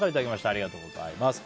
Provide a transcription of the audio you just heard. ありがとうございます。